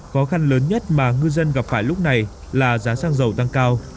khó khăn lớn nhất mà ngư dân gặp phải lúc này là giá xăng dầu tăng cao